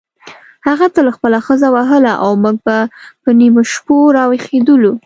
هغه تل خپله ښځه وهله او موږ به په نیمو شپو راویښېدلو.